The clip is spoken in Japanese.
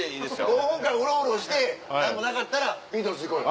５分間うろうろして何もなかったらビートルズ行こうよ。